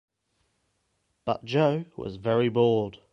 But Joe was very bored.